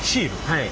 はい。